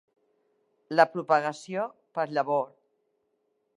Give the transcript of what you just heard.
La propagació per llavor.